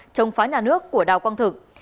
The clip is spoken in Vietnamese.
chống phá nhà nước của đào quang thực